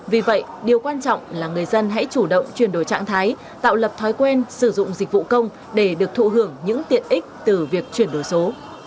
vì vậy điều quan trọng là người dân hãy chủ động chuyển đổi trạng thái tạo lập thói quen sử dụng dịch vụ công để được thụ hưởng những tiện ích từ việc chuyển đổi số